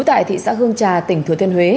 tại xã hương trà tỉnh thừa thiên huế